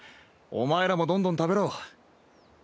お前らもどんどん食べろ。